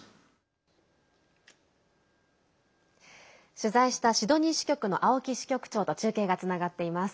取材したシドニー支局の青木支局長と中継がつながっています。